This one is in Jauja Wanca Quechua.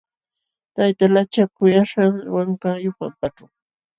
Tayta lachak kuyaśhqam wankayuq pampaćhu.